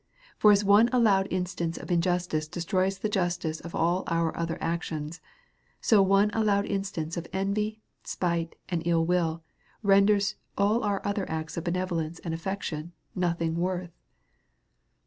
For as one allowed instance of injustice destroys the justice of all our other actions, so one allowed instance of envy, spite, and ill will, renders all our other acts of benevolence and atfection nothing worth.